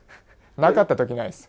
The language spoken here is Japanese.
なかったときないです。